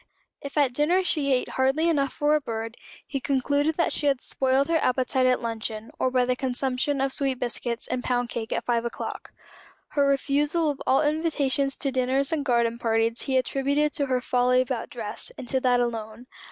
If at dinner she ate hardly enough for a bird, he concluded that she had spoiled her appetite at luncheon, or by the consumption of sweet biscuits and pound cake at five o'clock. Her refusal of all invitations to dinners and garden parties he attributed to her folly about dress, and to that alone.